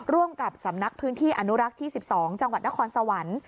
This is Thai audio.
ร่วมกับสำนักพื้นที่อนุรักษ์ที่๑๒จังหวัดนครสวรรค์